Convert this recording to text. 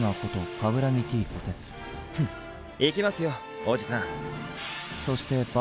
フン行きますよおじさん。